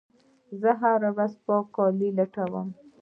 زه هره ورځ د پاک کالي لټوم.